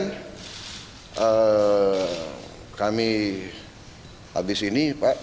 dan kami habis ini pak